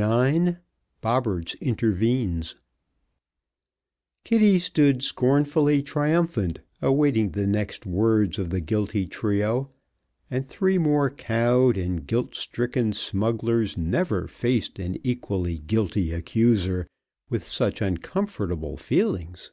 IX BOBBERTS INTERVENES Kitty stood scornfully triumphant awaiting the next words of the guilty trio, and three more cowed and guilt stricken smugglers never faced an equally guilty accuser with such uncomfortable feelings.